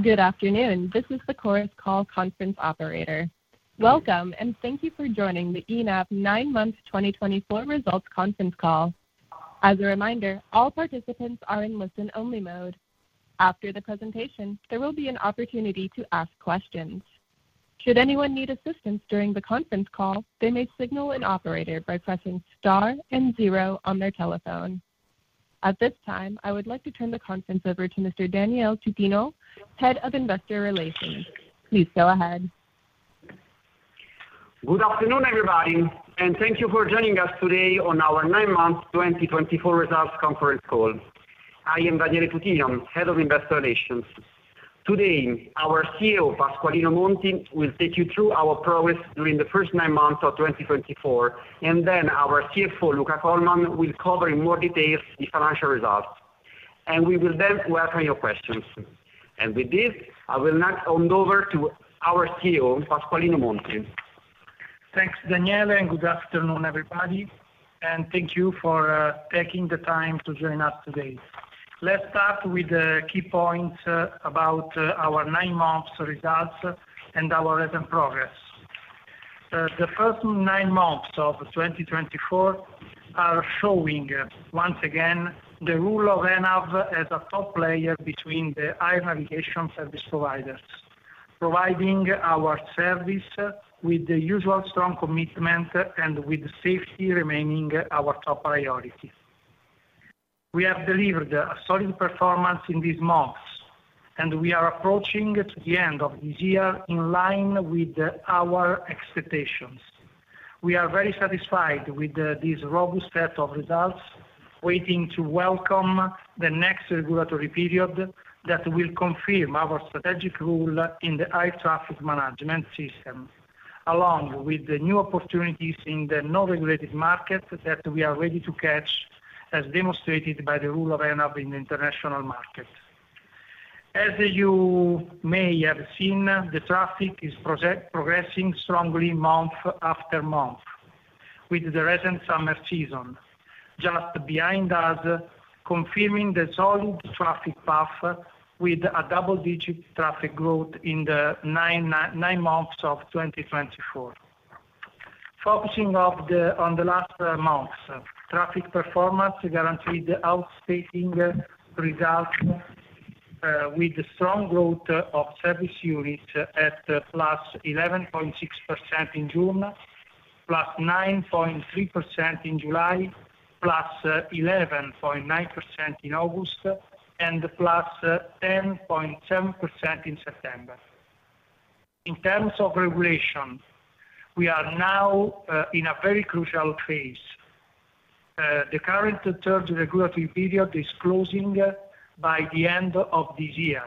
Good afternoon. This is the Chorus Call Conference Operator. Welcome, and thank you for joining the ENAV Nine-Month 2024 Results Conference Call. As a reminder, all participants are in listen-only mode. After the presentation, there will be an opportunity to ask questions. Should anyone need assistance during the conference call, they may signal an operator by pressing star and zero on their telephone. At this time, I would like to turn the conference over to Mr. Daniele Tutino, Head of Investor Relations. Please go ahead. Good afternoon, everybody, and thank you for joining us today on our Nine-Month 2024 Results Conference Call. I am Daniele Tutino, Head of Investor Relations. Today, our CEO, Pasqualino Monti, will take you through our progress during the first nine months of 2024, and then our CFO, Luca Colman, will cover in more detail the financial results. And we will then welcome your questions. And with this, I will now hand over to our CEO, Pasqualino Monti. Thanks, Daniele, and good afternoon, everybody. And thank you for taking the time to join us today. Let's start with the key points about our nine-month results and our recent progress. The first nine months of 2024 are showing, once again, the role of ENAV as a top player between the air navigation service providers, providing our service with the usual strong commitment and with safety remaining our top priority. We have delivered a solid performance in these months, and we are approaching the end of this year in line with our expectations. We are very satisfied with this robust set of results, waiting to welcome the next regulatory period that will confirm our strategic role in the air traffic management system, along with the new opportunities in the non-regulated market that we are ready to catch, as demonstrated by the role of ENAV in the international market. As you may have seen, the traffic is progressing strongly month after month with the recent summer season, just behind us confirming the solid traffic path with a double-digit traffic growth in the nine months of 2024. Focusing on the last months, traffic performance guaranteed outstanding results with strong growth of service units at +11.6% in June, +9.3% in July, +11.9% in August, and +10.7% in September. In terms of regulation, we are now in a very crucial phase. The current third regulatory period is closing by the end of this year,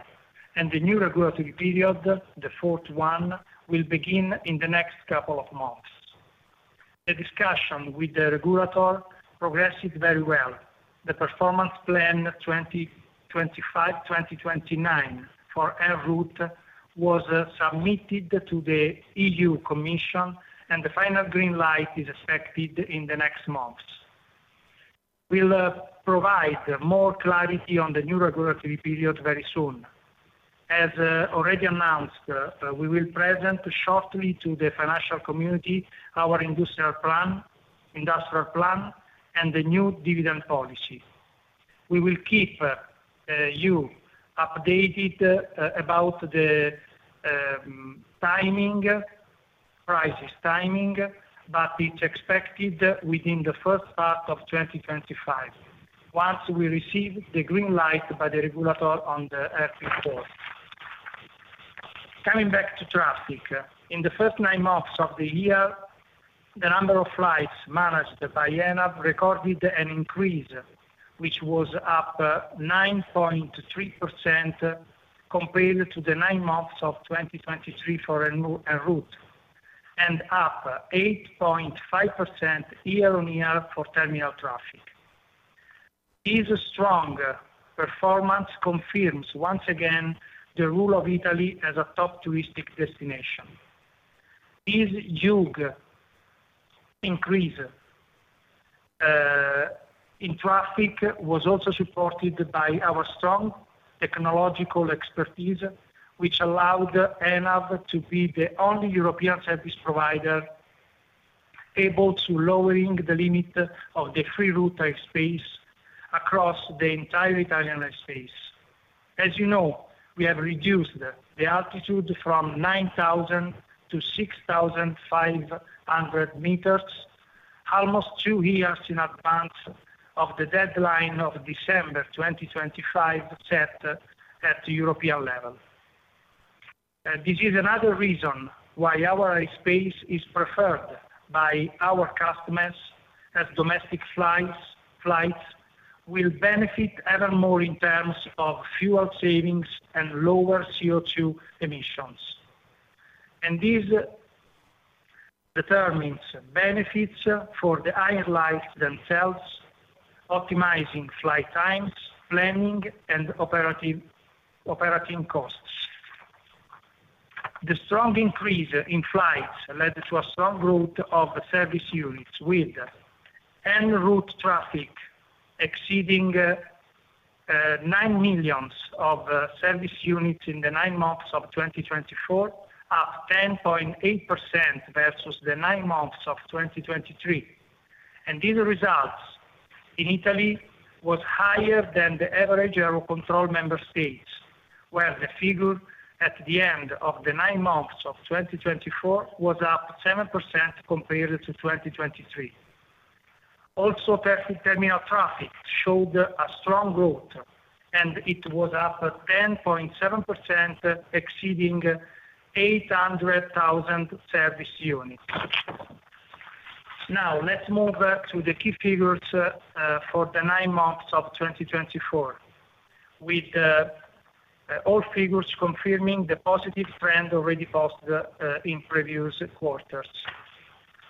and the new regulatory period, the fourth one, will begin in the next couple of months. The discussion with the regulator progressed very well. The Performance Plan 2025-2029 for en route was submitted to the EU Commission, and the final green light is expected in the next months. We'll provide more clarity on the new regulatory period very soon. As already announced, we will present shortly to the financial community our Industrial Plan and the new dividend policy. We will keep you updated about the timing, precise timing, but it's expected within the first part of 2025, once we receive the green light by the regulator on the airport. Coming back to traffic, in the first nine months of the year, the number of flights managed by ENAV recorded an increase, which was up 9.3% compared to the nine months of 2023 for en route, and up 8.5% year-on-year for terminal traffic. This strong performance confirms once again the role of Italy as a top touristic destination. This huge increase in traffic was also supported by our strong technological expertise, which allowed ENAV to be the only European service provider able to lower the limit of the Free Route Airspace across the entire Italian airspace. As you know, we have reduced the altitude from 9,000-6,500 meters, almost two years in advance of the deadline of December 2025 set at the European level. This is another reason why our airspace is preferred by our customers as domestic flights will benefit even more in terms of fuel savings and lower CO2 emissions. And this determines benefits for the airlines themselves, optimizing flight times, planning, and operating costs. The strong increase in flights led to a strong growth of service units, with en route traffic exceeding nine million service units in the nine months of 2024, up 10.8% versus the nine months of 2023. These results in Italy were higher than the average Eurocontrol member states, where the figure at the end of the nine months of 2024 was up 7% compared to 2023. Also, terminal traffic showed a strong growth, and it was up 10.7%, exceeding 800,000 service units. Now, let's move to the key figures for the nine months of 2024, with all figures confirming the positive trend already posted in previous quarters.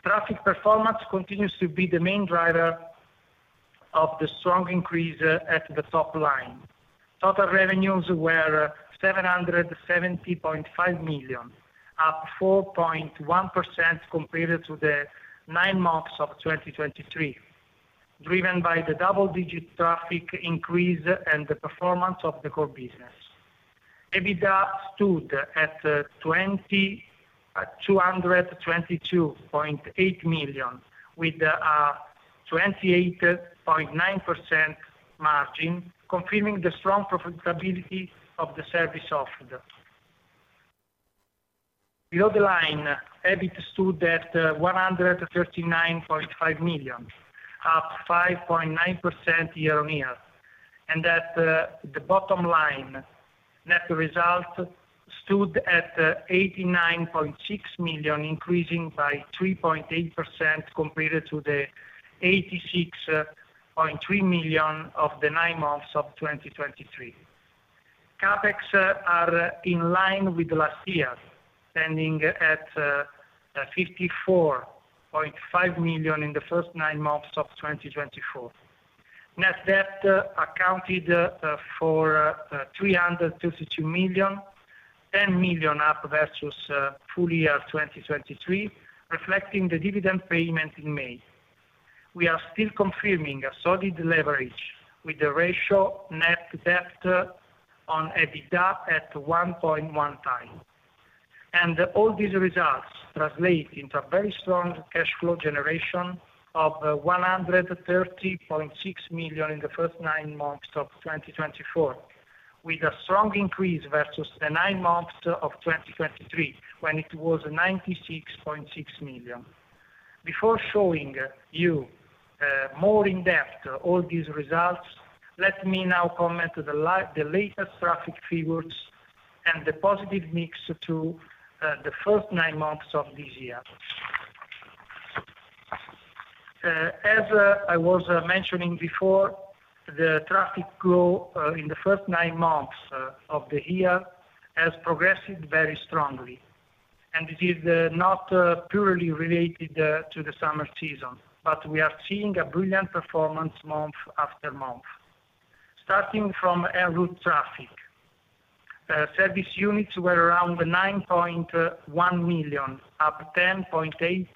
Traffic performance continues to be the main driver of the strong increase at the top line. Total revenues were 770.5 million, up 4.1% compared to the nine months of 2023, driven by the double-digit traffic increase and the performance of the core business. EBITDA stood at 222.8 million, with a 28.9% margin, confirming the strong profitability of the service offered. Below the line, EBIT stood at 139.5 million, up 5.9% year-on-year, and at the bottom line, net result stood at 89.6 million, increasing by 3.8% compared to the 86.3 million of the nine months of 2023. CapEx are in line with last year, ending at 54.5 million in the first nine months of 2024. Net debt accounted for 332 million, 10 million up versus full year 2023, reflecting the dividend payment in May. We are still confirming a solid leverage with the ratio net debt on EBITDA at 1.1 times. All these results translate into a very strong cash flow generation of 130.6 million in the first nine months of 2024, with a strong increase versus the nine months of 2023, when it was 96.6 million. Before showing you more in depth all these results, let me now comment on the latest traffic figures and the positive mix through the first nine months of this year. As I was mentioning before, the traffic growth in the first nine months of the year has progressed very strongly. And this is not purely related to the summer season, but we are seeing a brilliant performance month after month. Starting from en route traffic, service units were around 9.1 million, up 10.8%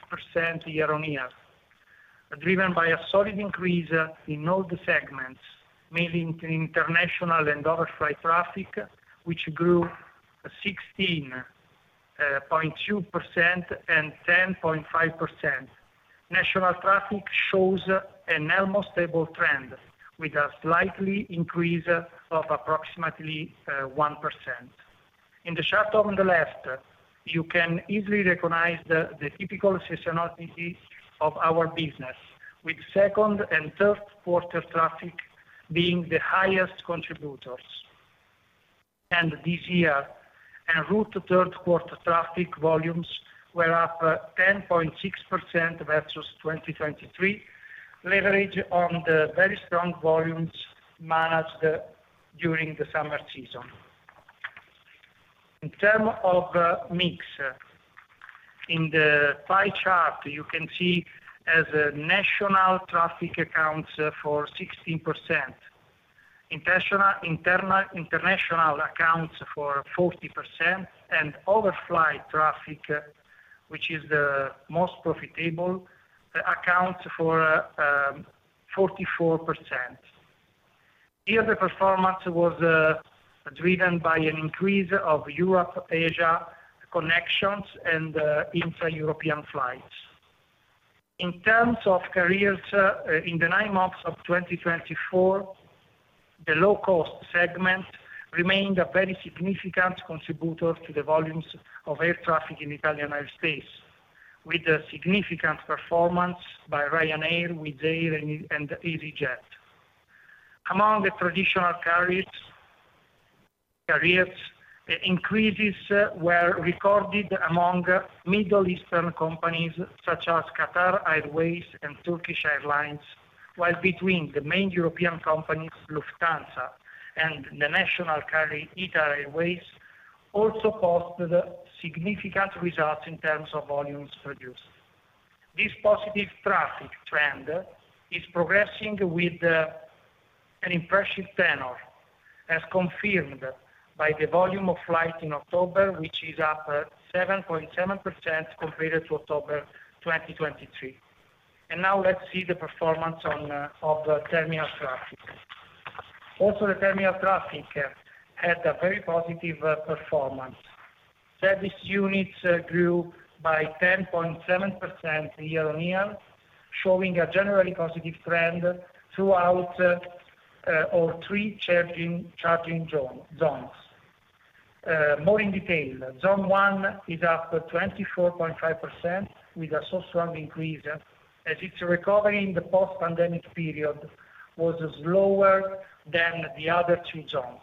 year-on-year, driven by a solid increase in all the segments, mainly international and overflight traffic, which grew 16.2% and 10.5%. National traffic shows an almost stable trend with a slight increase of approximately 1%. In the chart on the left, you can easily recognize the typical seasonality of our business, with second and third quarter traffic being the highest contributors. This year, en route third quarter traffic volumes were up 10.6% versus 2023, leveraged on the very strong volumes managed during the summer season. In terms of mix, in the pie chart, you can see national traffic accounts for 16%, international accounts for 40%, and overflight traffic, which is the most profitable, accounts for 44%. Here, the performance was driven by an increase of Europe-Asia connections and intra-European flights. In terms of carriers, in the nine months of 2024, the low-cost segment remained a very significant contributor to the volumes of air traffic in Italian airspace, with significant performance by Ryanair, Wizz Air, and EasyJet. Among the traditional carriers, increases were recorded among Middle Eastern companies such as Qatar Airways and Turkish Airlines, while between the main European companies, Lufthansa and the national carrier, ITA Airways, also posted significant results in terms of volumes produced. This positive traffic trend is progressing with an impressive tenor, as confirmed by the volume of flight in October, which is up 7.7% compared to October 2023. And now let's see the performance of terminal traffic. Also, the terminal traffic had a very positive performance. Service units grew by 10.7% year-on-year, showing a generally positive trend throughout all three charging zones. More in detail, Zone 1 is up 24.5% with a so strong increase as its recovery in the post-pandemic period was slower than the other two zones.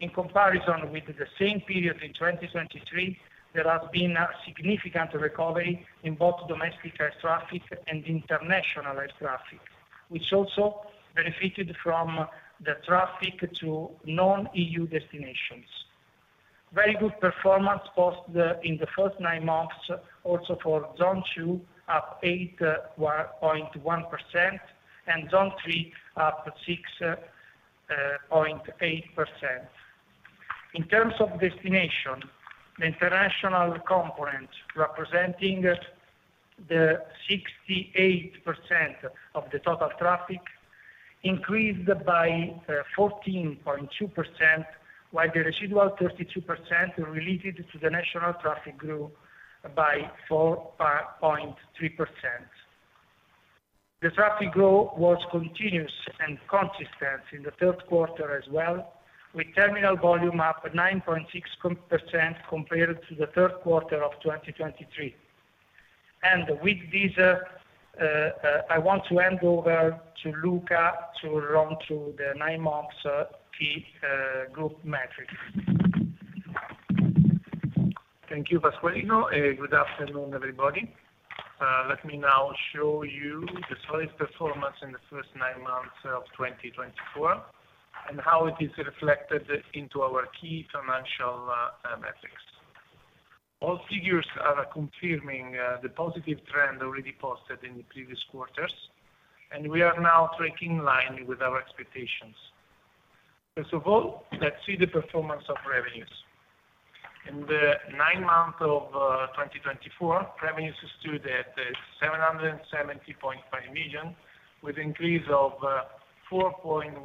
In comparison with the same period in 2023, there has been a significant recovery in both domestic air traffic and international air traffic, which also benefited from the traffic to non-EU destinations. Very good performance posted in the first nine months also for Zone 2, up 8.1%, and Zone 3, up 6.8%. In terms of destination, the international component representing 68% of the total traffic increased by 14.2%, while the residual 32% related to the national traffic grew by 4.3%. The traffic growth was continuous and consistent in the third quarter as well, with terminal volume up 9.6% compared to the third quarter of 2023. And with these, I want to hand over to Luca to run through the nine months key group metrics. Thank you, Pasqualino. Good afternoon, everybody. Let me now show you the solid performance in the first nine months of 2024 and how it is reflected into our key financial metrics. All figures are confirming the positive trend already posted in the previous quarters, and we are now tracking in line with our expectations. First of all, let's see the performance of revenues. In the nine months of 2024, revenues stood at 770.5 million, with an increase of 4.1%,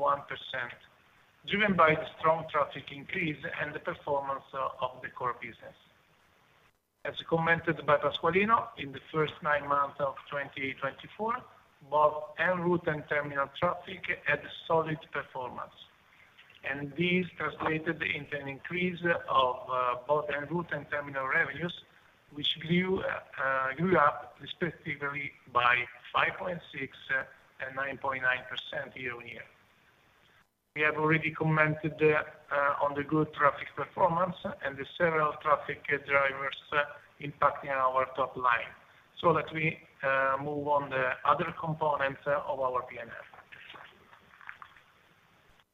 driven by the strong traffic increase and the performance of the core business. As commented by Pasqualino, in the first nine months of 2024, both en route and terminal traffic had solid performance, and these translated into an increase of both en route and terminal revenues, which grew up respectively by 5.6% and 9.9% year-on-year. We have already commented on the good traffic performance and the several traffic drivers impacting our top line, so let me move on to the other components of our P&L.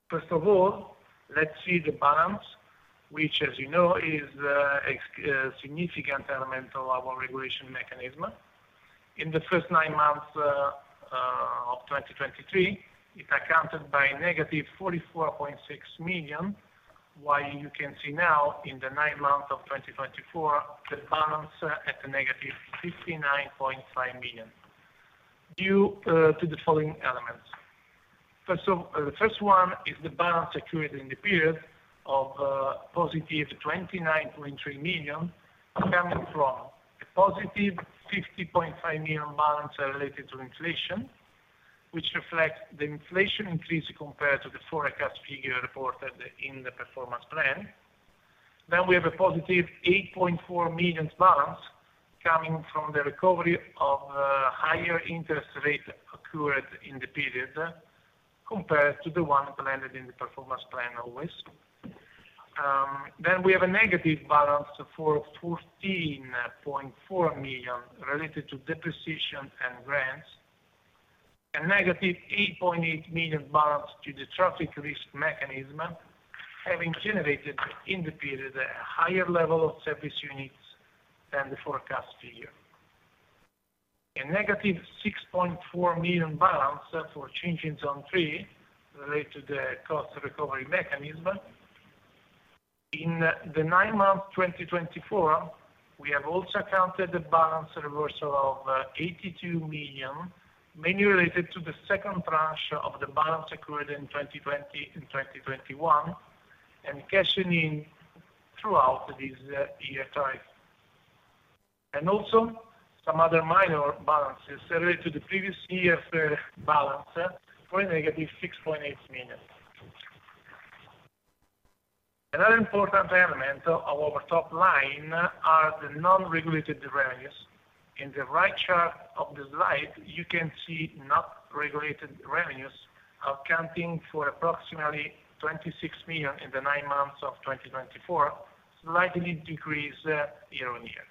First of all, let's see the balance, which, as you know, is a significant element of our regulatory mechanism. In the first nine months of 2023, it accounted for a negative 44.6 million, while you can see now in the nine months of 2024, the balance at a negative 59.5 million, due to the following elements. The first one is the balance accrued in the period of positive 29.3 million, coming from a positive 50.5 million balance related to inflation, which reflects the inflation increase compared to the forecast figure reported in the Performance Plan. Then we have a positive 8.4 million balance coming from the recovery of higher interest rates accrued in the period compared to the one implemented in the Performance Plan always. Then we have a negative balance for 14.4 million related to depreciation and grants, a negative 8.8 million balance to the Traffic Risk Mechanism, having generated in the period a higher level of service units than the forecast figure. A negative 6.4 million balance for charging Zone 3 related to the Cost Recovery Mechanism. In the nine months 2024, we have also accounted for a balance reversal of 82 million, mainly related to the second tranche of the balance accrued in 2020 and 2021, and cashing in throughout this year tariff and also some other minor balances related to the previous year's balance for a negative EUR 6.8 million. Another important element of our top line are the non-regulated revenues. In the right chart of the slide, you can see non-regulated revenues accounting for approximately 26 million in the nine months of 2024, slightly decreased year-on-year.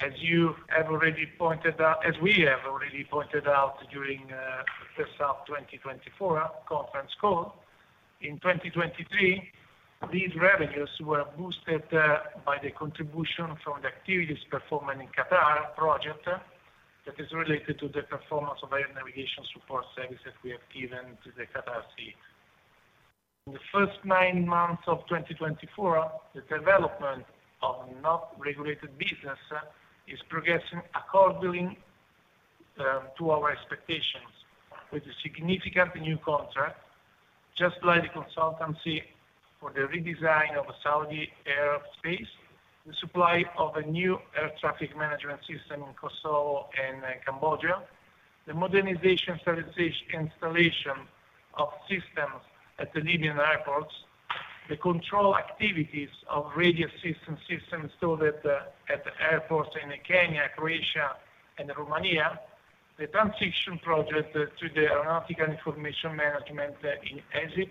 As you have already pointed out, as we have already pointed out during the first half of 2024 conference call, in 2023, these revenues were boosted by the contribution from the activities performed in Qatar project that is related to the performance of air navigation support services we have given to the Qatar fleet. In the first nine months of 2024, the development of not-regulated business is progressing according to our expectations, with a significant new contract, just like the consultancy for the redesign of Saudi airspace, the supply of a new Air Traffic Management System in Kosovo and Cambodia, the modernization and installation of systems at the Libyan airports, the control activities of radio systems installed at the airports in Kenya, Croatia, and Romania, the transition project to the Aeronautical Information Management in Egypt and the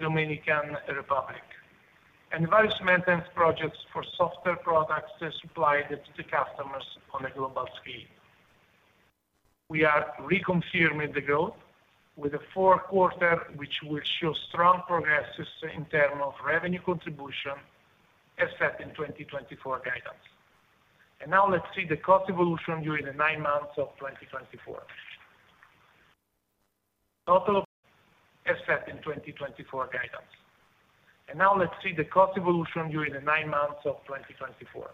Dominican Republic, and various maintenance projects for software products supplied to the customers on a global scale. We are reconfirming the growth with a fourth quarter, which will show strong progresses in terms of revenue contribution as set in 2024 guidance. And now let's see the cost evolution during the nine months of 2024. Total. As set in 2024 guidance. And now let's see the cost evolution during the nine months of 2024.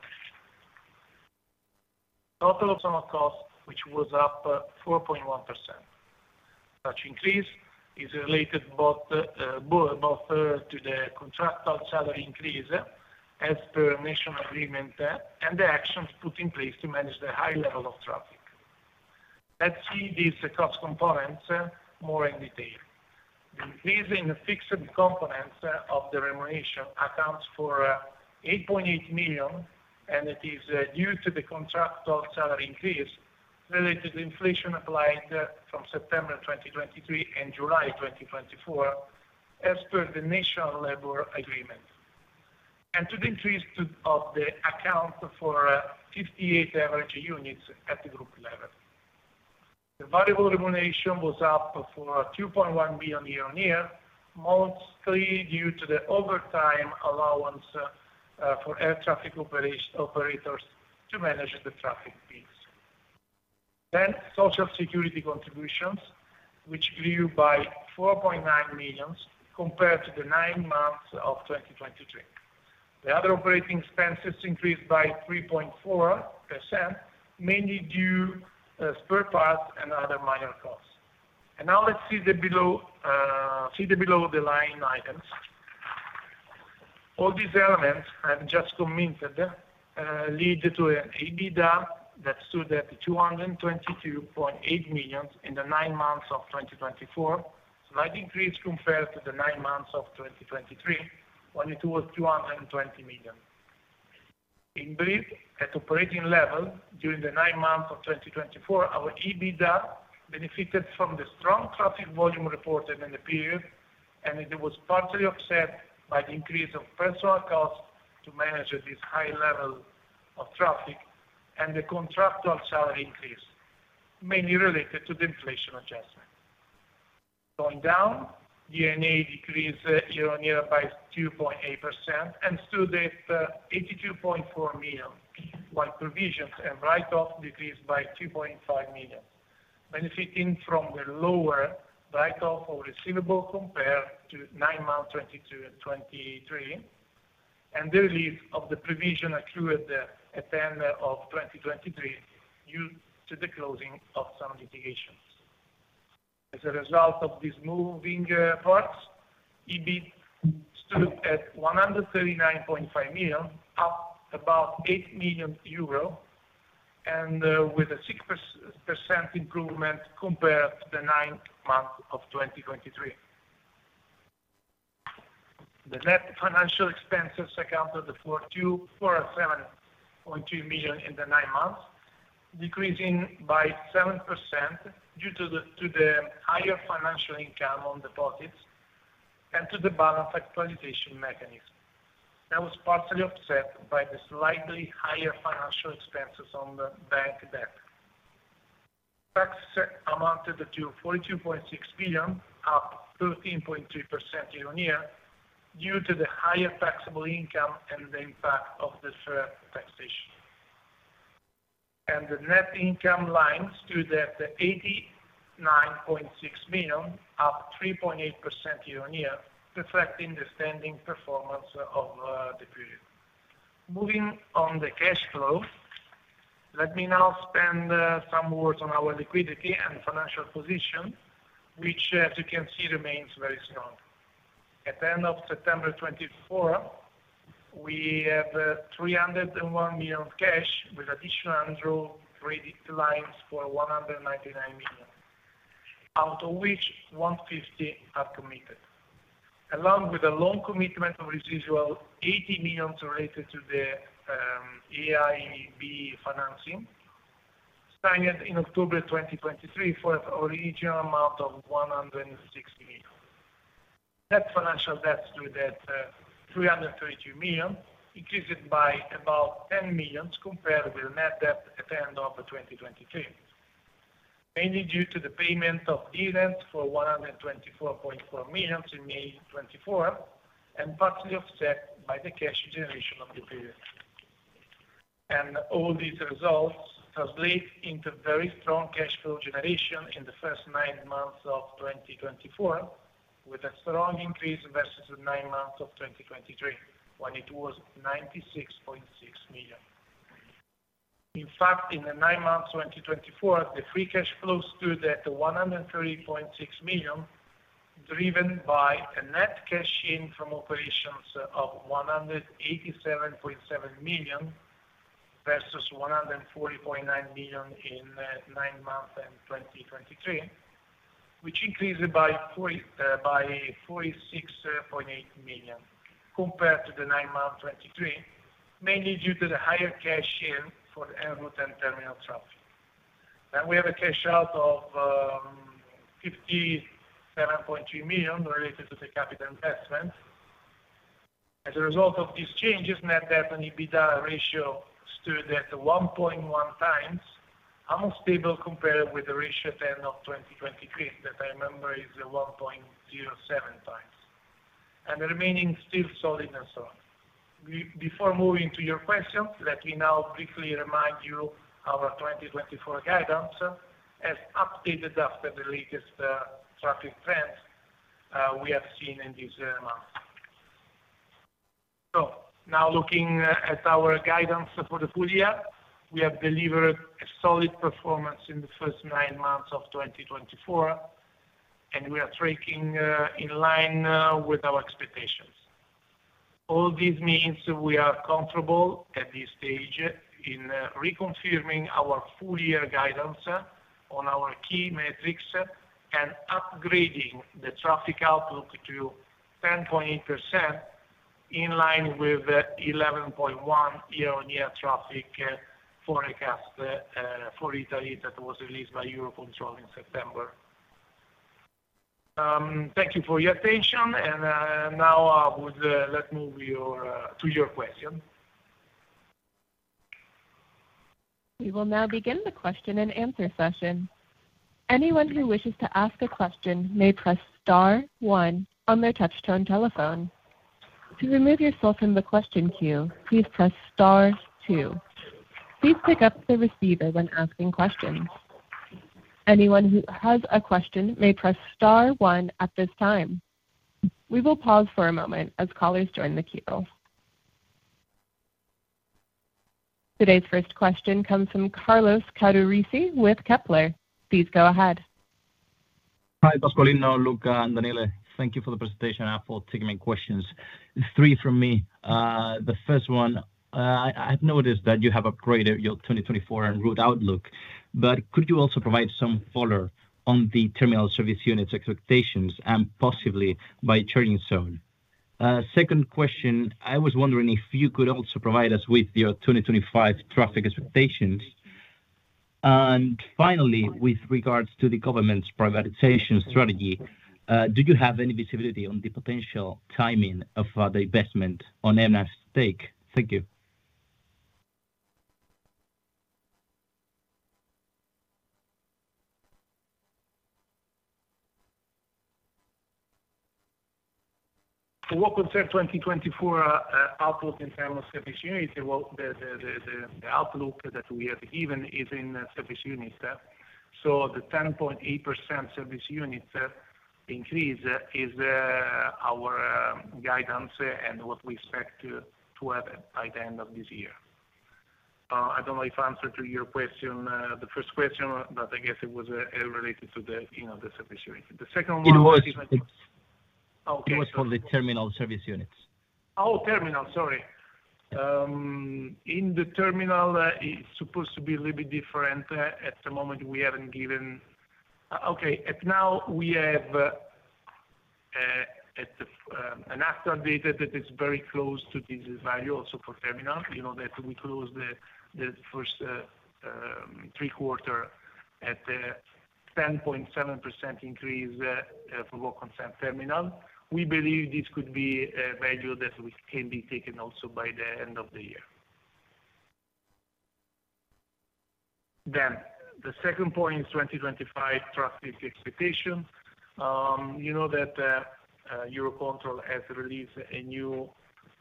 Total personnel cost, which was up 4.1%. Such increase is related both to the contractual salary increase as per National Agreement and the actions put in place to manage the high level of traffic. Let's see these cost components more in detail. The increase in the fixed components of the remuneration accounts for 8.8 million, and it is due to the contractual salary increase related to inflation applied from September 2023 and July 2024 as per the National Labor Agreement, and to the increase of the headcount for 58 average units at the group level. The variable remuneration was up for 2.1 million year-on-year, mostly due to the overtime allowance for air traffic operators to manage the traffic peaks. Then social security contributions, which grew by 4.9 million compared to the nine months of 2023. The other operating expenses increased by 3.4%, mainly due to spare parts and other minor costs. Now let's see the below-the-line items. All these elements I've just commented lead to an EBITDA that stood at 222.8 million in the nine months of 2024, slight increase compared to the nine months of 2023, when it was 220 million. In brief, at operating level during the nine months of 2024, our EBITDA benefited from the strong traffic volume reported in the period, and it was partially offset by the increase of personnel costs to manage this high level of traffic and the contractual salary increase, mainly related to the inflation adjustment. Going down, D&A decreased year-on-year by 2.8% and stood at 82.4 million, while provisions and write-offs decreased by 2.5 million, benefiting from the lower write-off of receivable compared to nine months 2023, and the release of the provision accrued at the end of 2023 due to the closing of some litigations. As a result of these moving parts, EBIT stood at 139.5 million, up about 8 million euro, and with a 6% improvement compared to the nine months of 2023. The net financial expenses accounted for 247.2 million in the nine months, decreasing by 7% due to the higher financial income on deposits and to the balance actualization mechanism. That was partially offset by the slightly higher financial expenses on the bank debt. Tax amounted to 42.6 million, up 13.3% year-on-year due to the higher taxable income and the impact of the deferred taxation. The net income line stood at 89.6 million, up 3.8% year-on-year, reflecting the standing performance of the period. Moving on the cash flow, let me now spend some words on our liquidity and financial position, which, as you can see, remains very strong. At the end of September 2024, we have 301 million cash with additional enrolled credit lines for 199 million, out of which 150 are committed, along with a loan commitment of residual 80 million related to the EIB financing, signed in October 2023 for an original amount of 160 million. Net financial debt stood at 332 million, increased by about 10 million compared with net debt at the end of 2023, mainly due to the payment of dividends for 124.4 million in May 2024, and partially offset by the cash generation of the period. All these results translate into very strong cash flow generation in the first nine months of 2024, with a strong increase versus the nine months of 2023, when it was 96.6 million. In fact, in the nine months 2024, the free cash flow stood at 130.6 million, driven by a net cash in from operations of 187.7 million versus 140.9 million in nine months 2023, which increased by 46.8 million compared to the nine months 2023, mainly due to the higher cash in for the en route and terminal traffic. Then we have a cash out of 57.3 million related to the capital investment. As a result of these changes, net debt and EBITDA ratio stood at 1.1 times, almost stable compared with the ratio at the end of 2023 that I remember is 1.07 times, and the remaining still solid and strong. Before moving to your questions, let me now briefly remind you of our 2024 guidance as updated after the latest traffic trends we have seen in these months. So now looking at our guidance for the full year, we have delivered a solid performance in the first nine months of 2024, and we are tracking in line with our expectations. All these means we are comfortable at this stage in reconfirming our full-year guidance on our key metrics and upgrading the traffic outlook to 10.8% in line with the 11.1% year-on-year traffic forecast for Italy that was released by Eurocontrol in September. Thank you for your attention. And now I would let you move to your question. We will now begin the question and answer session. Anyone who wishes to ask a question may press star one on their touch-tone telephone. To remove yourself from the question queue, please press star two. Please pick up the receiver when asking questions. Anyone who has a question may press star one at this time. We will pause for a moment as callers join the queue. Today's first question comes from Carlos Caburrasi with Kepler. Please go ahead. Hi, Pasqualino, Luca, and Daniele. Thank you for the presentation and for taking my questions. Three from me. The first one, I've noticed that you have upgraded your 2024 en route outlook, but could you also provide some follow-up on the terminal service unit's expectations and possibly by charging zone? Second question, I was wondering if you could also provide us with your 2025 traffic expectations. And finally, with regards to the government's privatization strategy, do you have any visibility on the potential timing of the investment in the stake? Thank you. What concerns 2024 outlook in terms of service units, well, the outlook that we have given is in service units. So the 10.8% service unit increase is our guidance and what we expect to have by the end of this year. I don't know if I answered your question, the first question, but I guess it was related to the service unit. The second one. It was. Okay. It was for the terminal service units. Oh, terminal, sorry. In the terminal, it's supposed to be a little bit different. At the moment, we haven't given. Okay. And now, we have a forecast that is very close to this value also for terminal, that we closed the first three quarters at 10.7% increase for what concerns terminal. We believe this could be a value that can be taken also by the end of the year. Then the second point is 2025 traffic expectations. You know that Eurocontrol has released a new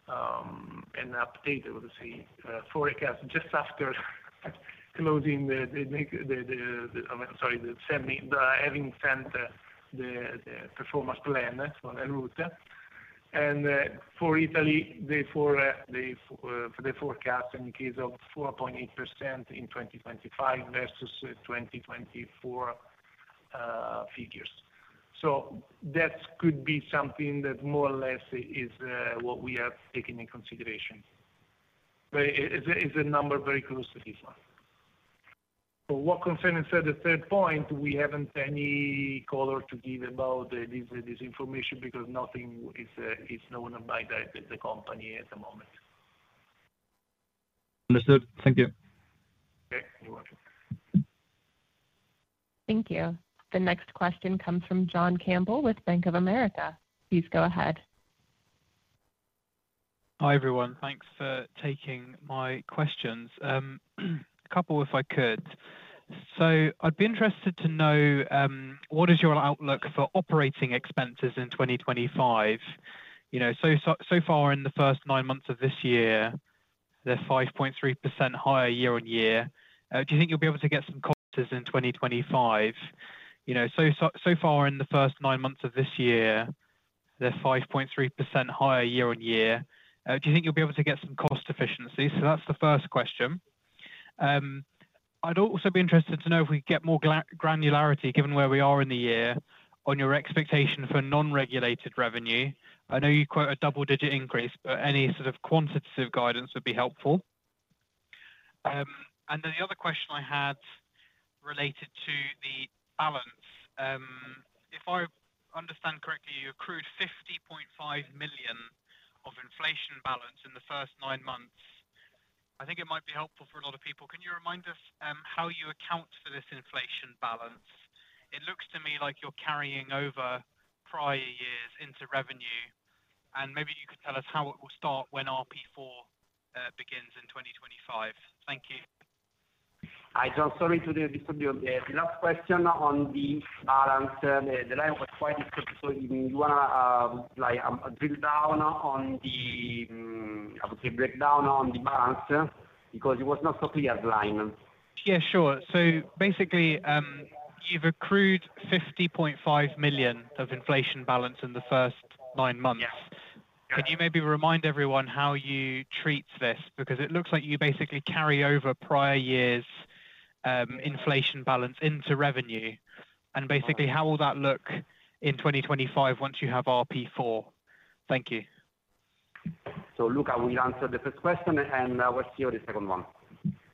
and updated, I would say, forecast just after closing the, sorry, the having sent the Performance Plan on en route. And for Italy, the forecast indicates of 4.8% in 2025 versus 2024 figures. So that could be something that more or less is what we are taking into consideration. But it's a number very close to this one. For what concerns the third point, we haven't any color to give about this information because nothing is known by the company at the moment. Understood. Thank you. Okay. You're welcome. Thank you. The next question comes from John Campbell with Bank of America. Please go ahead. Hi everyone. Thanks for taking my questions. A couple if I could. So I'd be interested to know what is your outlook for operating expenses in 2025? So far in the first nine months of this year, they're 5.3% higher year-on-year. Do you think you'll be able to get some cost efficiency? So that's the first question. I'd also be interested to know if we could get more granularity given where we are in the year on your expectation for non-regulated revenue. I know you quote a double-digit increase, but any sort of quantitative guidance would be helpful. And then the other question I had related to the balance. If I understand correctly, you accrued 50.5 million of inflation balance in the first nine months. I think it might be helpful for a lot of people. Can you remind us how you account for this inflation balance? It looks to me like you're carrying over prior years into revenue, and maybe you could tell us how it will start when RP4 begins in 2025. Thank you. I'm sorry to disturb you. The last question on the balance, the line was quite difficult. So you want to drill down on the, I would say, break down on the balance because it was not so clear the line. Yeah, sure. So basically, you've accrued 50.5 million of inflation balance in the first nine months. Can you maybe remind everyone how you treat this? Because it looks like you basically carry over prior years' inflation balance into revenue, and basically, how will that look in 2025 once you have RP4? Thank you. So Luca, we'll answer the first question, and I will see you on the second one.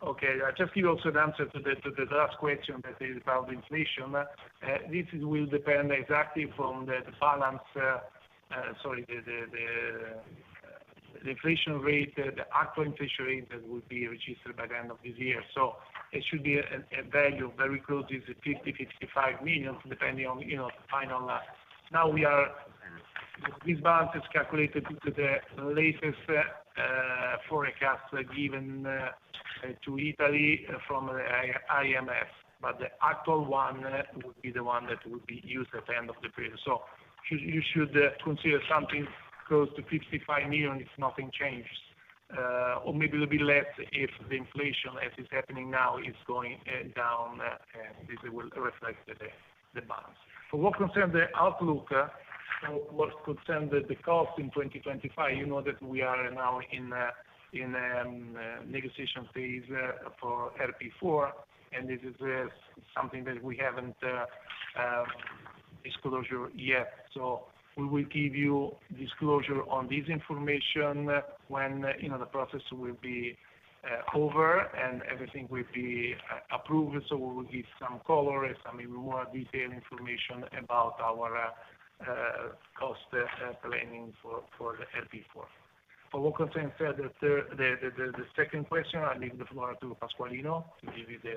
Okay. I just give you also the answer to the last question that is about inflation. This will depend exactly from the balance, sorry, the inflation rate, the actual inflation rate that will be registered by the end of this year. So it should be a value very close to 50 million-55 million, depending on the final. Now, this balance is calculated to the latest forecast given to Italy from the IMF, but the actual one would be the one that would be used at the end of the period. So you should consider something close to 55 million if nothing changes, or maybe it will be less if the inflation, as it's happening now, is going down, and this will reflect the balance. For what concerns the outlook, for what concerns the cost in 2025, you know that we are now in negotiation phase for RP4, and this is something that we haven't disclosed yet. So we will give you disclosure on this information when the process will be over and everything will be approved. So we will give some color, some more detailed information about our cost planning for the RP4. For what concerns the second question, I'll leave the floor to Pasqualino to give you the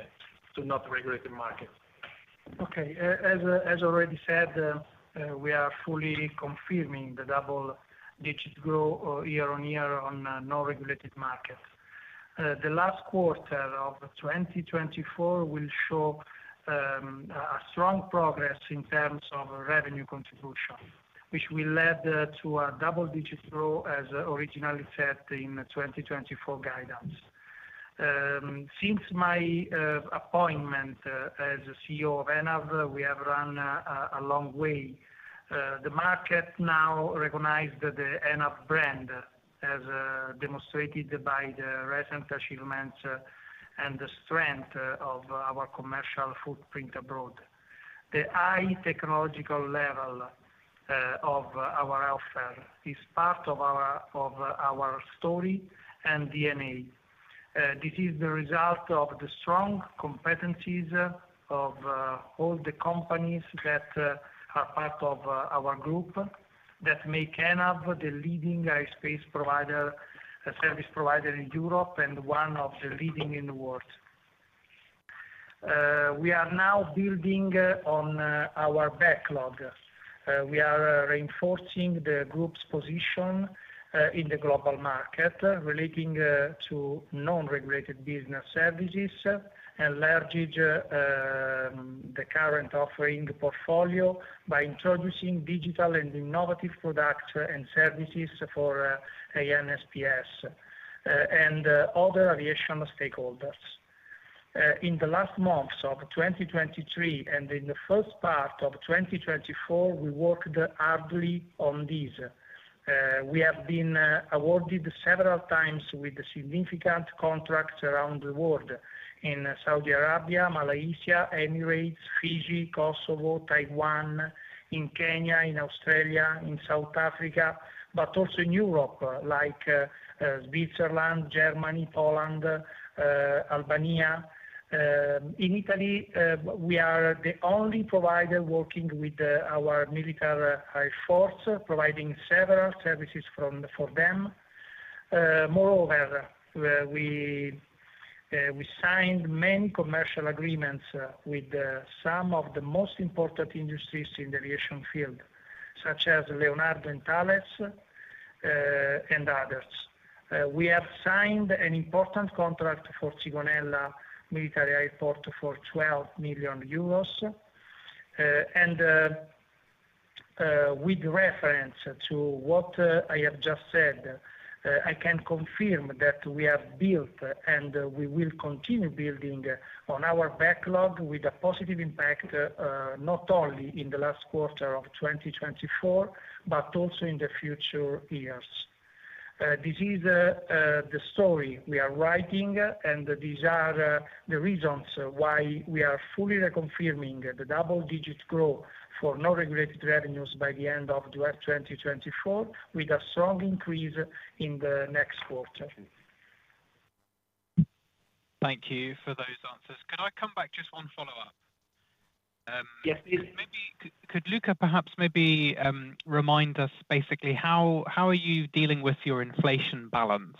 to non-regulated markets. Okay. As already said, we are fully confirming the double-digit growth year-on-year on non-regulated markets. The last quarter of 2024 will show a strong progress in terms of revenue contribution, which will lead to a double-digit growth as originally said in the 2024 guidance. Since my appointment as CEO of ENAV, we have run a long way. The market now recognized the ENAV brand as demonstrated by the recent achievements and the strength of our commercial footprint abroad. The high technological level of our offer is part of our story and DNA. This is the result of the strong competencies of all the companies that are part of our group that make ENAV the leading service provider in Europe and one of the leading in the world. We are now building on our backlog. We are reinforcing the group's position in the global market relating to non-regulated business services and leverage the current offering portfolio by introducing digital and innovative products and services for ANSPs and other aviation stakeholders. In the last months of 2023 and in the first part of 2024, we worked hard on this. We have been awarded several times with significant contracts around the world in Saudi Arabia, Malaysia, Emirates, Fiji, Kosovo, Taiwan, in Kenya, in Australia, in South Africa, but also in Europe like Switzerland, Germany, Poland, Albania. In Italy, we are the only provider working with our military force, providing several services for them. Moreover, we signed many commercial agreements with some of the most important industries in the aviation field, such as Leonardo and Thales and others. We have signed an important contract for Sigonella Military Airport for 12 million euros. And with reference to what I have just said, I can confirm that we have built and we will continue building on our backlog with a positive impact not only in the last quarter of 2024, but also in the future years. This is the story we are writing, and these are the reasons why we are fully reconfirming the double-digit growth for non-regulated revenues by the end of 2024 with a strong increase in the next quarter. Thank you for those answers. Could I come back just one follow-up? Yes, please. Could Luca perhaps maybe remind us basically how are you dealing with your inflation balance?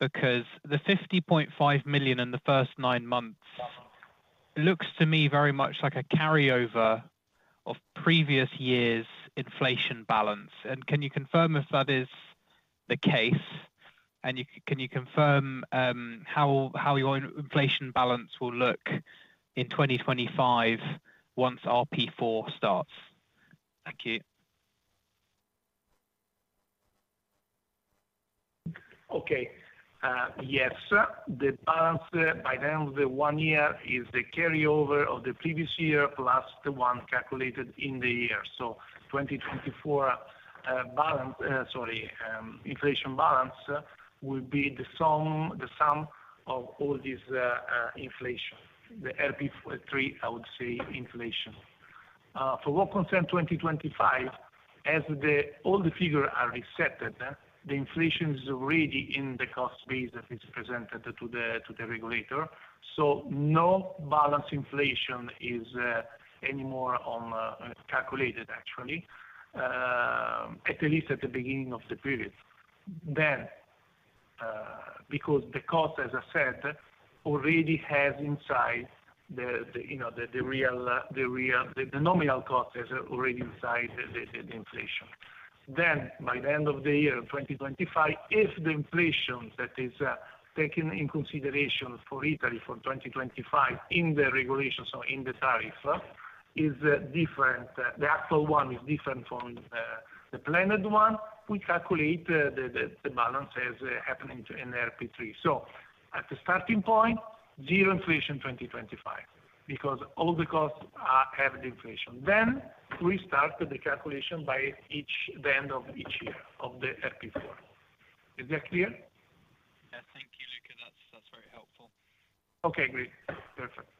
Because the 50.5 million in the first nine months looks to me very much like a carryover of previous years' inflation balance. And can you confirm if that is the case? And can you confirm how your inflation balance will look in 2025 once RP4 starts? Thank you. Okay. Yes. The balance by the end of the one year is the carryover of the previous year plus the one calculated in the year. So, 2024 balance—sorry, inflation balance—will be the sum of all this inflation, the RP3, I would say, inflation. For what concerns 2025, as all the figures are reset, the inflation is already in the cost base that is presented to the regulator. So no balance inflation is anymore calculated, actually, at least at the beginning of the period. Then, because the cost, as I said, already has inside the real nominal cost has already inside the inflation. Then, by the end of the year in 2025, if the inflation that is taken into consideration for Italy for 2025 in the regulation, so in the tariff, is different, the actual one is different from the planned one, we calculate the balance as happening in RP3. So at the starting point, zero inflation 2025 because all the costs have the inflation. Then we start the calculation by the end of each year of the RP4. Is that clear? Yes. Thank you, Luca. That's very helpful. Okay. Great. Perfect.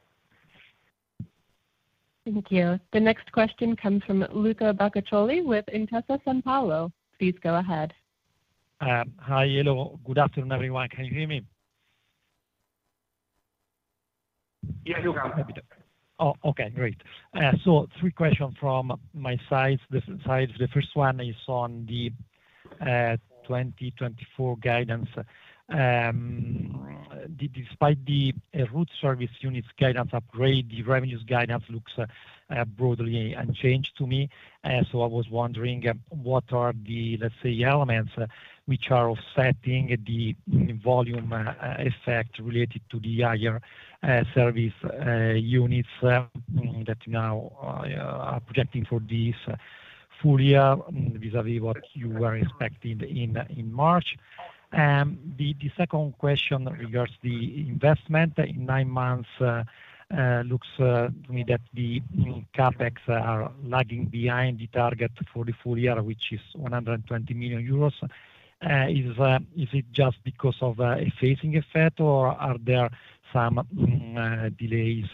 Thank you. The next question comes from Luca Bacoccoli with Intesa Sanpaolo. Please go ahead. Hi. Hello. Good afternoon, everyone. Can you hear me? Yeah, Luca. Oh, okay. Great. So three questions from my side. The first one is on the 2024 guidance. Despite the route service units guidance upgrade, the revenues guidance looks broadly unchanged to me. So I was wondering what are the, let's say, elements which are offsetting the volume effect related to the higher service units that you now are projecting for this full year vis-à-vis what you were expecting in March. The second question regards the investment in nine months. It looks to me that the CapEx are lagging behind the target for the full year, which is 120 million euros. Is it just because of a phasing effect, or are there some delays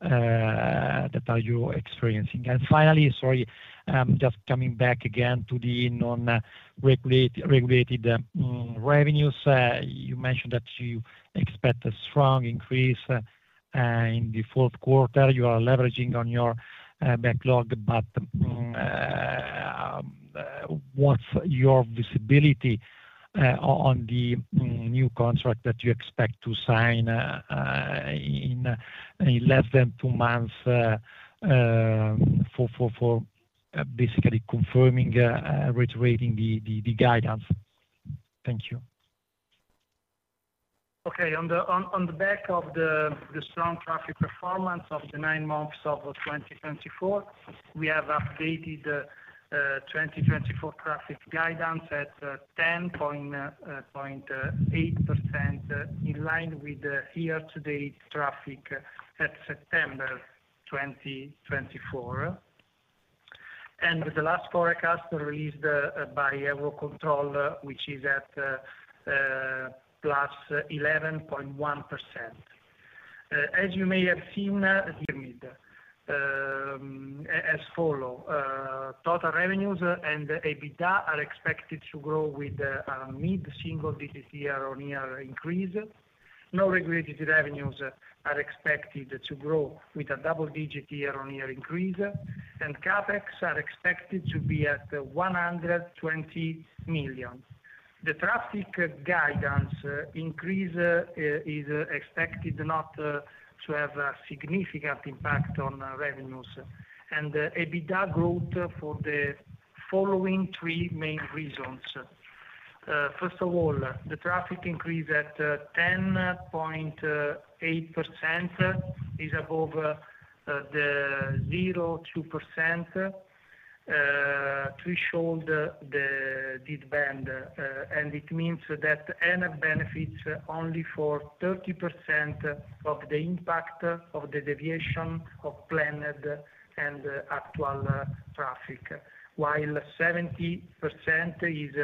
that you're experiencing? And finally, sorry, just coming back again to the non-regulated revenues, you mentioned that you expect a strong increase in the fourth quarter. You are leveraging on your backlog, but what's your visibility on the new contract that you expect to sign in less than two months for basically confirming and reiterating the guidance? Thank you. Okay. On the back of the strong traffic performance of the nine months of 2024, we have updated the 2024 traffic guidance at 10.8% in line with the year-to-date traffic at September 2024. The last forecast released by Eurocontrol, which is at plus 11.1%. As you may have seen, pyramid as follows. Total revenues and EBITDA are expected to grow with a mid-single-digit year-on-year increase. Non-regulated revenues are expected to grow with a double-digit year-on-year increase, and CapEx are expected to be at 120 million. The traffic guidance increase is expected not to have a significant impact on revenues, and EBITDA growth for the following three main reasons. First of all, the traffic increase at 10.8% is above the 0.2% threshold dead band, and it means that ENAV benefits only for 30% of the impact of the deviation of planned and actual traffic, while 70% is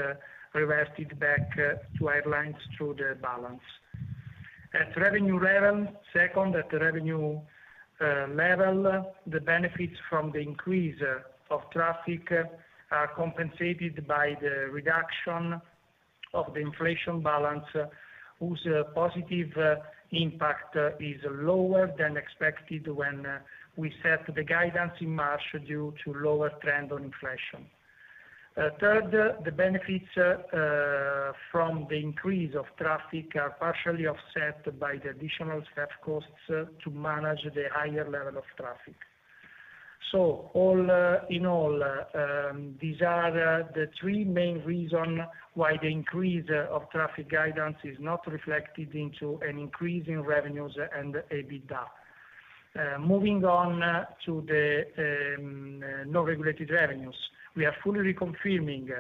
reverted back to airlines through the balance. At revenue level, second, at the revenue level, the benefits from the increase of traffic are compensated by the reduction of the inflation balance, whose positive impact is lower than expected when we set the guidance in March due to lower trend on inflation. Third, the benefits from the increase of traffic are partially offset by the additional self-costs to manage the higher level of traffic. So all in all, these are the three main reasons why the increase of traffic guidance is not reflected into an increase in revenues and EBITDA. Moving on to the non-regulated revenues, we are fully reconfirming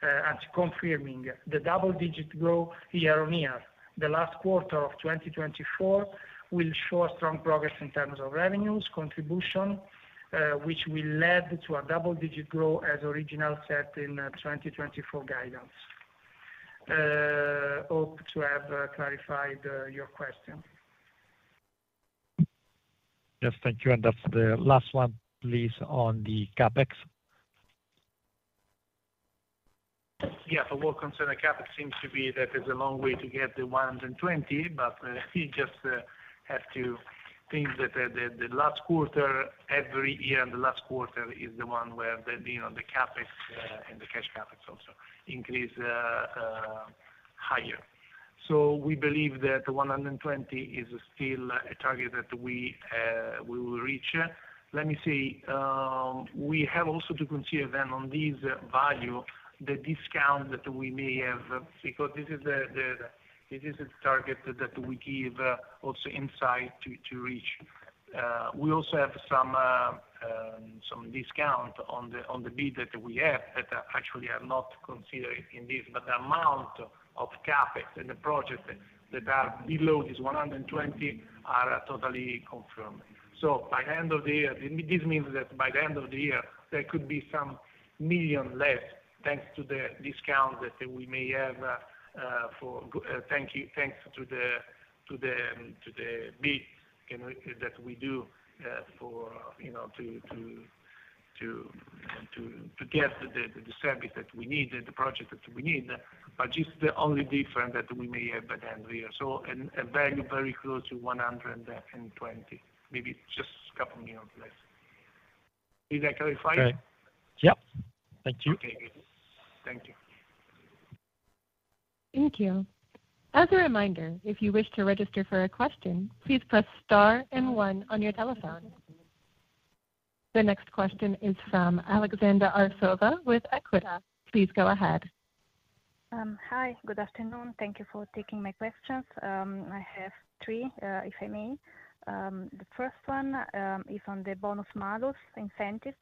the double-digit growth year-on-year. The last quarter of 2024 will show a strong progress in terms of revenues contribution, which will lead to a double-digit growth as originally set in the 2024 guidance. Hope to have clarified your question. Yes. Thank you. And that's the last one, please, on the CapEx. Yeah. For what concerns the CapEx, it seems to be that there's a long way to get the 120, but you just have to think that the last quarter, every year, and the last quarter is the one where the CapEx and the cash CapEx also increase higher. So we believe that 120 is still a target that we will reach. Let me say we have also to consider then on this value the discount that we may have because this is the target that we give also inside to reach. We also have some discount on the bid that we have that actually are not considered in this, but the amount of CapEx and the project that are below this 120 are totally confirmed. So by the end of the year, this means that by the end of the year, there could be some million less thanks to the discount that we may have for thanks to the bid that we do to get the service that we need, the project that we need, but just the only difference that we may have by the end of the year. So a value very close to 120, maybe just a couple of millions less. Did I clarify? Okay. Yep. Thank you. Okay. Good. Thank you. Thank you. As a reminder, if you wish to register for a question, please press star and one on your telephone. The next question is from Alexandra Arcova with Equita. Please go ahead. Hi. Good afternoon. Thank you for taking my questions. I have three, if I may. The first one is on the bonus-malus incentive.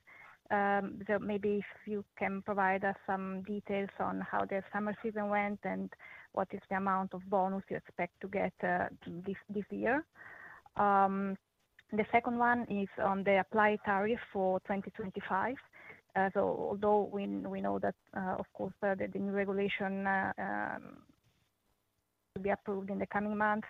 So maybe if you can provide us some details on how the summer season went and what is the amount of bonus you expect to get this year? The second one is on the applied tariff for 2025. So although we know that, of course, the new regulation will be approved in the coming months,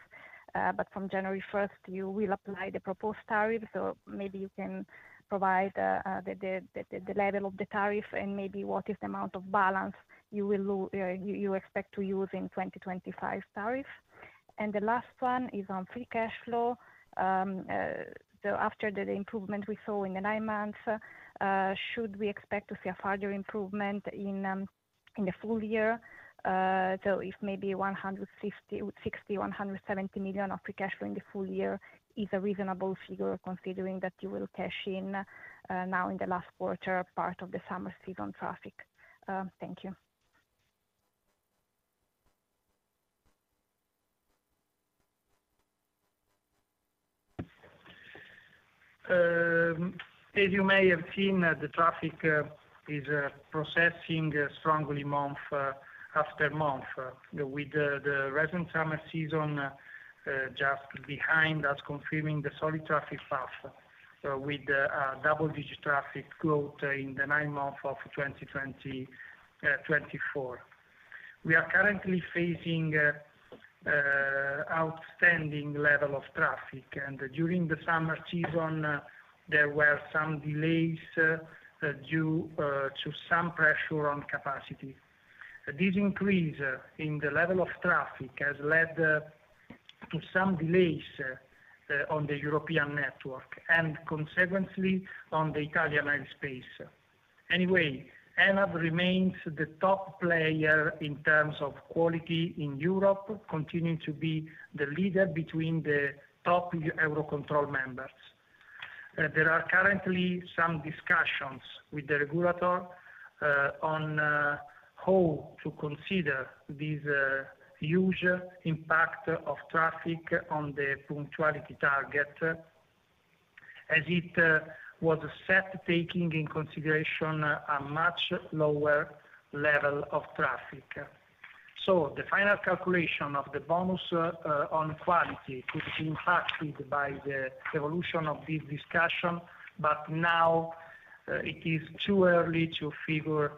but from January 1st, you will apply the proposed tariff. So maybe you can provide the level of the tariff and maybe what is the amount of balance you expect to use in 2025 tariff? And the last one is on free cash flow. So after the improvement we saw in the nine months, should we expect to see a further improvement in the full year? So if maybe 160-170 million of free cash flow in the full year is a reasonable figure considering that you will cash in now in the last quarter part of the summer season traffic. Thank you. As you may have seen, the traffic is progressing strongly month after month with the recent summer season just behind us, confirming the solid traffic path with double-digit traffic growth in the nine months of 2024. We are currently facing an outstanding level of traffic. And during the summer season, there were some delays due to some pressure on capacity. This increase in the level of traffic has led to some delays on the European network and consequently on the Italian airspace. Anyway, ENAV remains the top player in terms of quality in Europe, continuing to be the leader between the top Eurocontrol members. There are currently some discussions with the regulator on how to consider this huge impact of traffic on the punctuality target as it was set taking into consideration a much lower level of traffic. So the final calculation of the bonus on quality could be impacted by the evolution of this discussion, but now it is too early to figure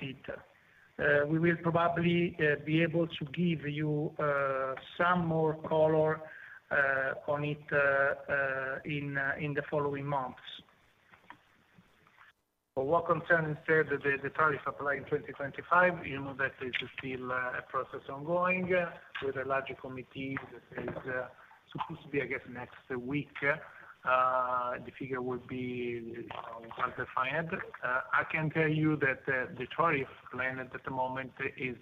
it out. We will probably be able to give you some more color on it in the following months. For what concerns instead the tariff applied in 2025, that is still a process ongoing with a larger committee that is supposed to be, I guess, next week. The figure will be well defined. I can tell you that the tariff planned at the moment is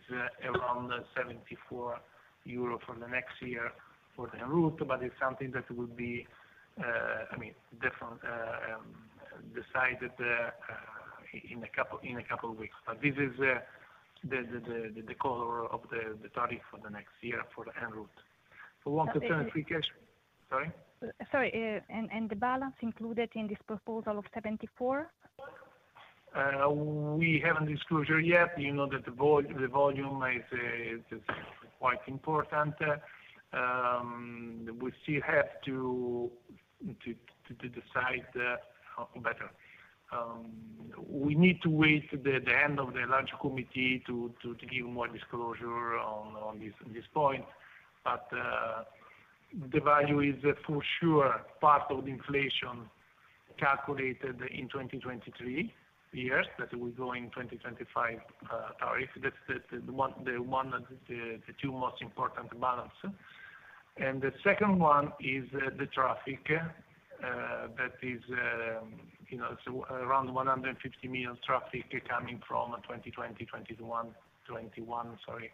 around 74 euro for the next year for the en route, but it's something that will be, I mean, definitely decided in a couple of weeks. But this is the color of the tariff for the next year for the en route. For what concerns free cash? Sorry? Sorry. And the balance included in this proposal of 74? We haven't disclosed yet. You know that the volume is quite important. We still have to decide better. We need to wait the end of the larger committee to give more disclosure on this point. But the value is for sure part of the inflation calculated in 2023 years that we go in 2025 tariff. That's the two most important balances. And the second one is the traffic that is around 150 million traffic coming from 2020, 2021, sorry,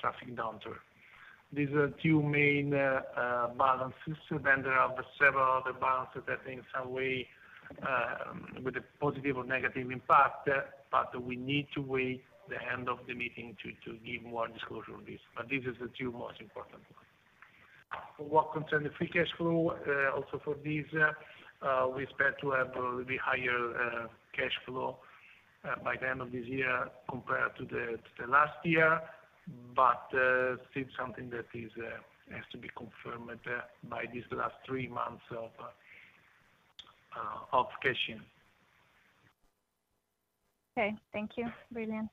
traffic downturn. These are two main balances. Then there are several other balances that in some way with a positive or negative impact, but we need to wait the end of the meeting to give more disclosure on this. But these are the two most important ones. For what concerns the free cash flow, also for this, we expect to have a little bit higher cash flow by the end of this year compared to the last year, but still something that has to be confirmed by these last three months of cash in. Okay. Thank you. Brilliant.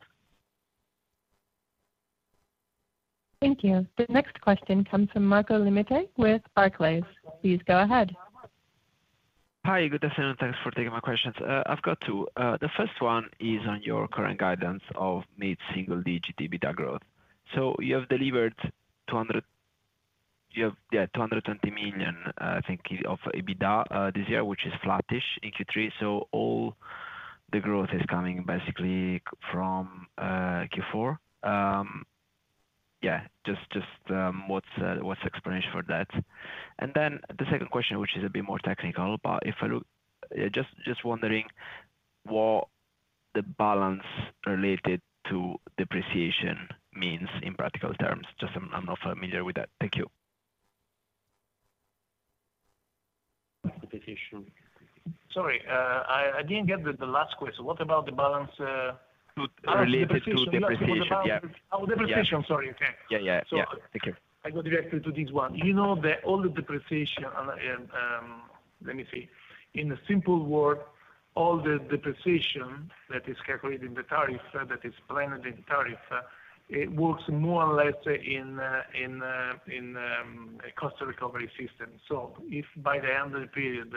Thank you. The next question comes from Marco Limite with Barclays. Please go ahead. Hi. Good afternoon. Thanks for taking my questions. I've got two. The first one is on your current guidance of mid-single-digit EBITDA growth. So you have delivered 200, yeah, 220 million, I think, of EBITDA this year, which is flattish in Q3. So all the growth is coming basically from Q4. Yeah. Just what's explanation for that? And then the second question, which is a bit more technical, but if I look, just wondering what the balance related to depreciation means in practical terms. Just I'm not familiar with that. Thank you. Depreciation. Sorry. I didn't get the last question. What about the balance related to depreciation? Oh, depreciation. Yeah. Oh, depreciation. Sorry. Okay. Yeah, yeah. Thank you. I go directly to this one. You know that all the depreciation, in a simple word, all the depreciation that is calculated in the tariff, that is planned in the tariff, it works more or less in a cost recovery system. So if by the end of the period,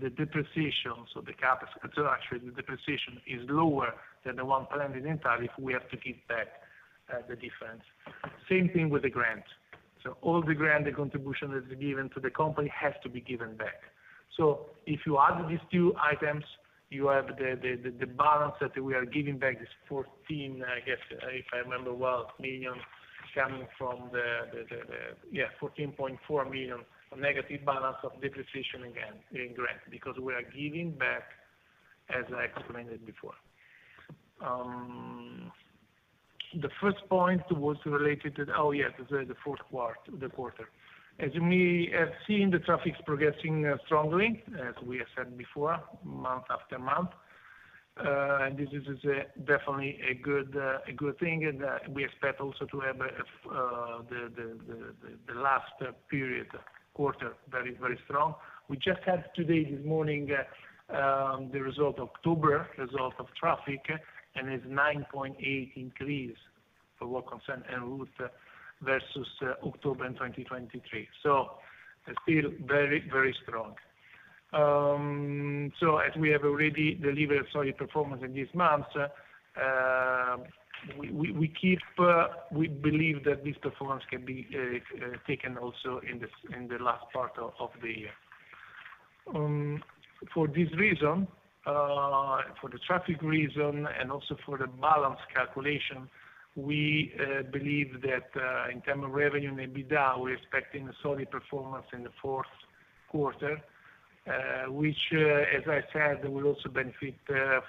the depreciation, so the CapEx, actually, the depreciation is lower than the one planned in tariff, we have to give back the difference. Same thing with the grant. So all the grant and contribution that is given to the company has to be given back. So if you add these two items, you have the balance that we are giving back is 14, I guess, if I remember well. Million coming from the, yeah, 14.4 million negative balance of depreciation again in grant because we are giving back, as I explained it before. The first point was related to, oh yeah, the fourth quarter. As you may have seen, the traffic is progressing strongly, as we have said before, month after month, and this is definitely a good thing, and we expect also to have the last period, quarter, very, very strong. We just had today, this morning, the result of October, result of traffic, and it's a 9.8% increase for what concerns en route versus October in 2023, so still very, very strong, so as we have already delivered solid performance in these months, we believe that this performance can be taken also in the last part of the year. For this reason, for the traffic reason, and also for the balance calculation, we believe that in terms of revenue and EBITDA, we're expecting a solid performance in the fourth quarter, which, as I said, will also benefit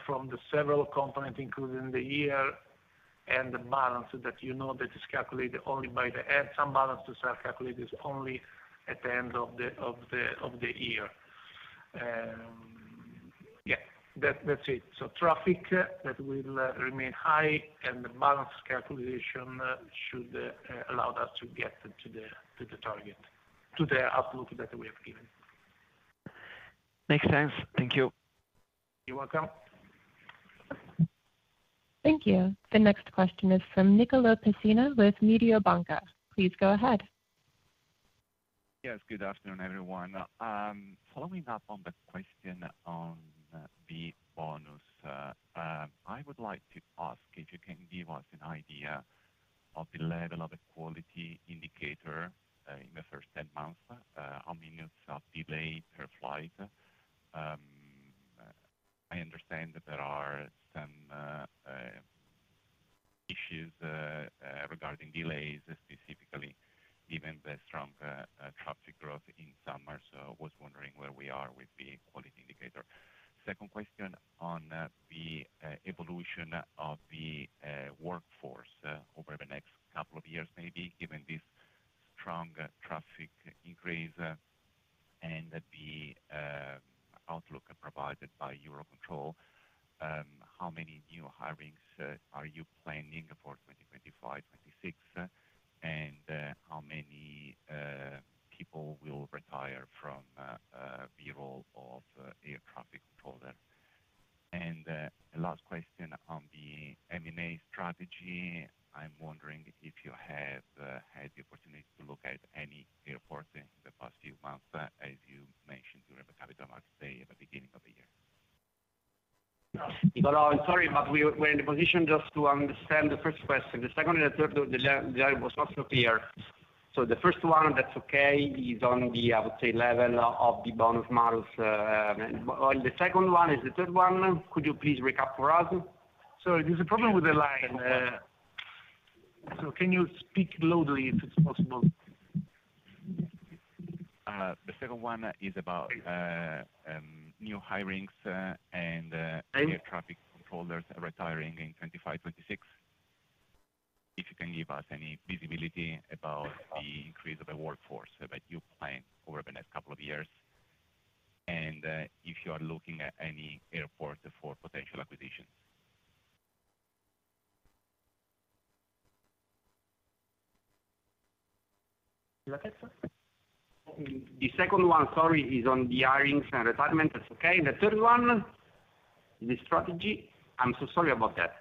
from the several components, including the year and the balance that you know that is calculated only by the end. Some balance are calculated only at the end of the year. Yeah. That's it. So traffic that will remain high, and the balance calculation should allow us to get to the target, to the outlook that we have given. Makes sense. Thank you. You're welcome. Thank you. The next question is from Nicolò Pessina with Mediobanca. Please go ahead. Yes. Good afternoon, everyone. Following up on the question on the bonus, I would like to ask if you can give us an idea of the level of the quality indicator in the first 10 months, how many minutes of delay per flight? I understand that there are some issues regarding delays, specifically given the strong traffic growth in summer. So I was wondering where we are with the quality indicator. Second question on the evolution of the workforce over the next couple of years, maybe given this strong traffic increase and the outlook provided by Eurocontrol, how many new hirings are you planning for 2025 and 2026, and how many people will retire from the role of air traffic controller? Last question on the M&A strategy. I'm wondering if you have had the opportunity to look at any airport in the past few months, as you mentioned during the Capital Markets Day at the beginning of the year. No, sorry, but we're in the position just to understand the first question. The second and the third line was not so clear. So the first one, that's okay, is on the, I would say, level of the bonus-malus. The second one is the third one. Could you please recap for us? Sorry. There's a problem with the line. So can you speak loudly if it's possible? The second one is about new hirings and air traffic controllers retiring in 2025, 2026. If you can give us any visibility about the increase of the workforce that you plan over the next couple of years, and if you are looking at any airport for potential acquisitions. The second one, sorry, is on the hirings and retirement. That's okay. The third one is the strategy. I'm so sorry about that.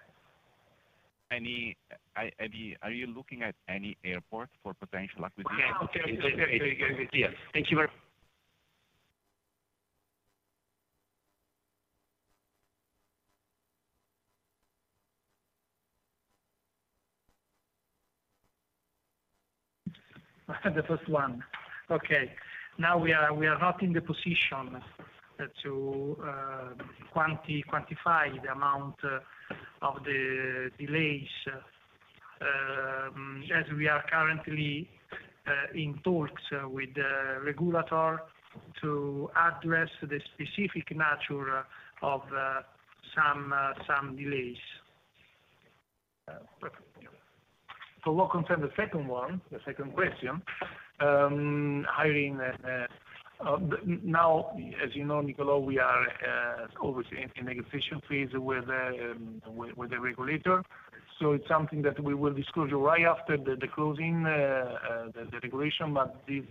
Are you looking at any airport for potential acquisition? Okay. Okay. Okay. Yes. Thank you very much. The first one. Okay. Now we are not in the position to quantify the amount of the delays as we are currently in talks with the regulator to address the specific nature of some delays. For what concerns the second one, the second question, hiring, now, as you know, Nicolò, we are always in a negotiation phase with the regulator. So it's something that we will disclose right after the closing, the regulation. But the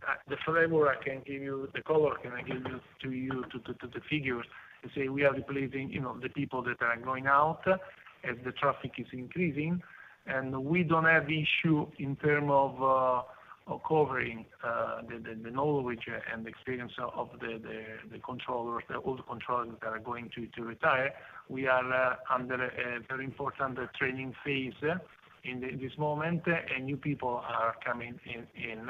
flavor I can give you, the color I can give to you, to the figures, is we are replacing the people that are going out as the traffic is increasing. And we don't have the issue in terms of covering the knowledge and the experience of the controllers, the old controllers that are going to retire. We are under a very important training phase in this moment, and new people are coming in.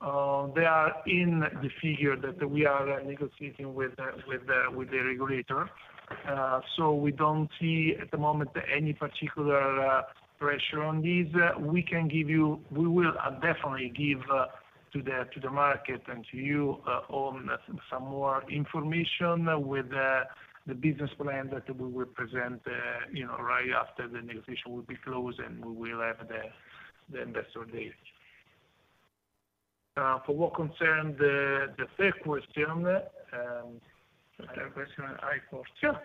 They are in the figure that we are negotiating with the regulator. So we don't see at the moment any particular pressure on these. We will definitely give to the market and to you some more information with the business plan that we will present right after the negotiation will be closed, and we will have the investor date. For what concerns the third question? Third question, airports? Sure.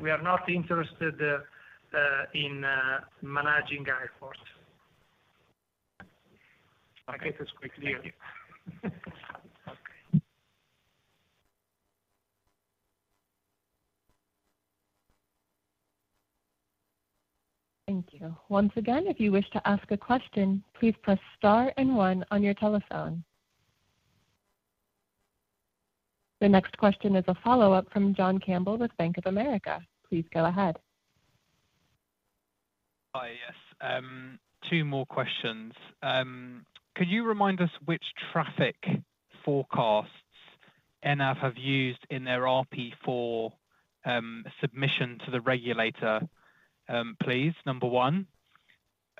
We are not interested in managing airports. I hope it's quite clear. Okay. Thank you. Once again, if you wish to ask a question, please press star and one on your telephone. The next question is a follow-up from John Campbell with Bank of America. Please go ahead. Hi. Yes. Two more questions. Could you remind us which traffic forecasts ENAV have used in their RP4 submission to the regulator, please? Number one,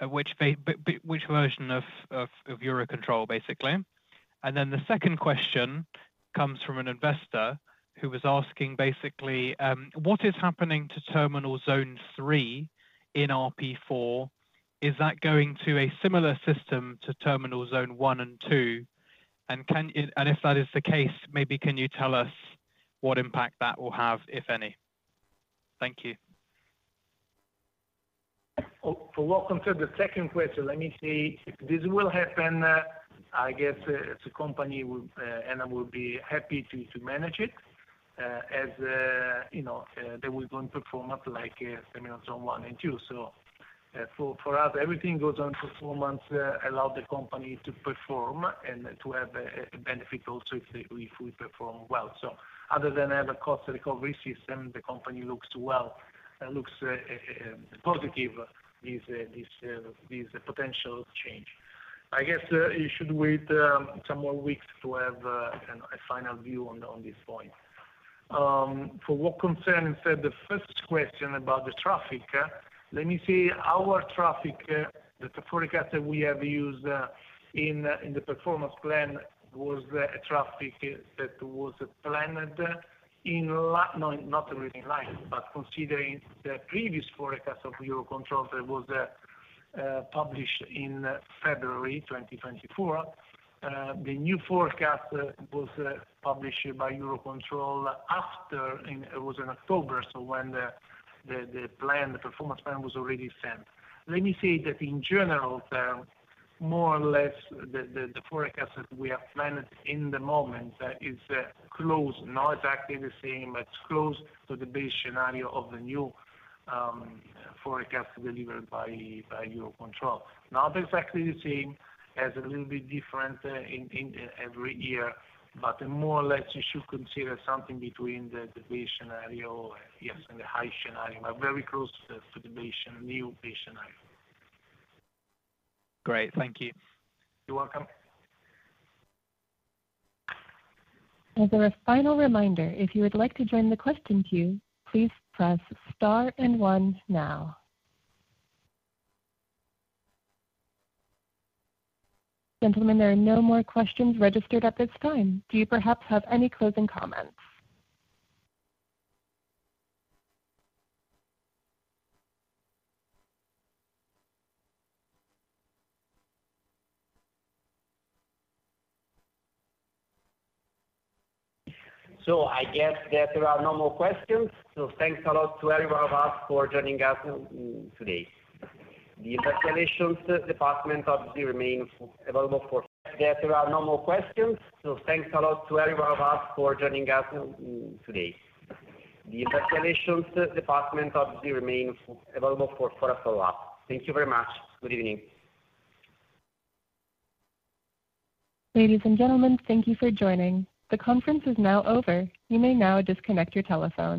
which version of Eurocontrol, basically. And then the second question comes from an investor who was asking, basically, what is happening to Terminal Zone 3 in RP4? Is that going to a similar system to Terminal Zone 1 and 2? And if that is the case, maybe can you tell us what impact that will have, if any? Thank you. For what concerns the second question, let me see. This will happen, I guess, as a company, and I will be happy to manage it as they will go and perform up like Terminal Zone 1 and 2. So for us, everything goes on performance allows the company to perform and to have a benefit also if we perform well. So other than have a cost recovery system, the company looks positive, this potential change. I guess you should wait some more weeks to have a final view on this point. For what concerns, instead, the first question about the traffic, let me see. Our traffic, the forecast that we have used in the Performance Plan was a traffic that was planned in not really in line, but considering the previous forecast of Eurocontrol that was published in February 2024, the new forecast was published by Eurocontrol after it was in October, so when the Performance Plan was already sent. Let me say that in general terms, more or less, the forecast that we have planned at the moment is close, not exactly the same, but it's close to the base scenario of the new forecast delivered by Eurocontrol. Not exactly the same as a little bit different every year, but more or less, you should consider something between the base scenario, yes, and the high scenario, but very close to the new base scenario. Great. Thank you. You're welcome. As a final reminder, if you would like to join the question queue, please press star and one now. Gentlemen, there are no more questions registered at this time. Do you perhaps have any closing comments? So I guess that there are no more questions. So thanks a lot to everyone for joining us today. The Investor Relations department obviously remains available for. That there are no more questions. So thanks a lot to everyone for joining us today. The Investor Relations department obviously remains available for a follow-up. Thank you very much. Good evening. Ladies, and gentlemen, thank you for joining. The conference is now over. You may now disconnect your telephone.